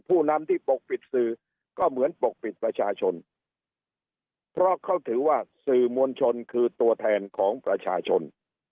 ผู้นำที่ปกปิดสื่อก็เหมือนปกปิดประชาชนเพราะเขาถือว่าสื่อมวลชนคือตัวแทนของประชาชน